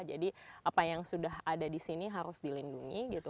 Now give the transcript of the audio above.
jadi apa yang sudah ada di sini harus dilindungi gitu